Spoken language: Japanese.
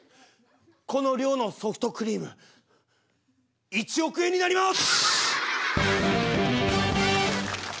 この量のソフトクリーム１億円になります！